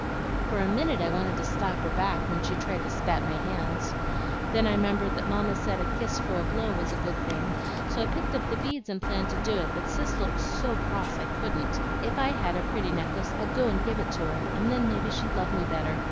"For a minute I wanted to slap her back when she tried to spat my hands. Then I 'membered that Mamma said a kiss for a blow was a good thing, so I picked up the beads and planned to do it; but Cis looked SO cross I couldn't. If I had a pretty necklace I'd go and give it to her, and then maybe she'd love me better."